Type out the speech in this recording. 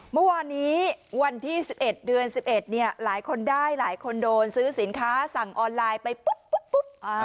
เมื่อวานนี้วันที่๑๑เดือน๑๑เนี่ยหลายคนได้หลายคนโดนซื้อสินค้าสั่งออนไลน์ไปปุ๊บ